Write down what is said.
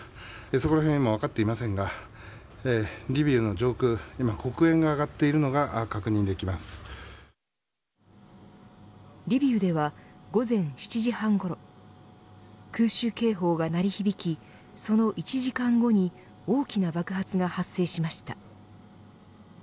そこらへんは今分かっていませんがリビウの上空、今黒煙が上がっているのがリビウでは午前７時半ごろ空襲警報が鳴り響きその１時間後に大きな爆発が発生しました。